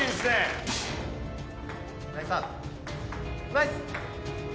ナイス！